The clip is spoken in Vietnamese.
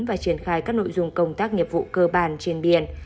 và triển khai các nội dung công tác nghiệp vụ cơ bản trên biển